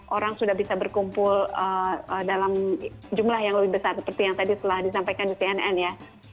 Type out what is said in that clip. orang sudah bisa berkumpul dalam jumlah yang lebih besar seperti yang tadi telah disampaikan di cnn ya